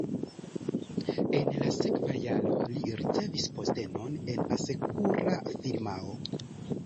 En la sekva jaro li ricevis postenon en asekura firmao.